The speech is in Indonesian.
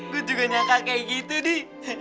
gua juga nyangka kayak gitu di